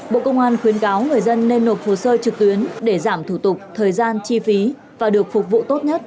bộ công an khuyến cáo người dân nên nộp hồ sơ trực tuyến để giảm thủ tục thời gian chi phí và được phục vụ tốt nhất